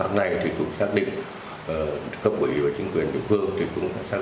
làm một cái kiến trì để mà tổ chức tuyên truyền vận động nhân dân